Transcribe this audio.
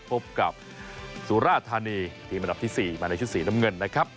พบกับสุราธานีทีมอันดับที่๔มาในชุดสีน้ำเงินนะครับ